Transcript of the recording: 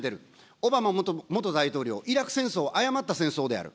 オバマ元大統領、イラク戦争、誤った戦争である。